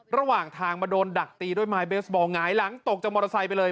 ระหว่างทางมาโดนดักตีด้วยไม้เบสบอลหงายหลังตกจากมอเตอร์ไซค์ไปเลย